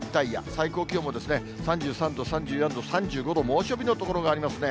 最高気温も３３度、３４度、３５度、猛暑日の所がありますね。